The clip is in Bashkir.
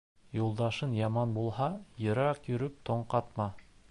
Юлдашын яман булһа, йыраҡ йөрөп төн ҡатма